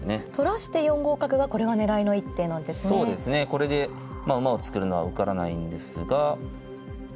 これで馬を作るのは受からないんですが。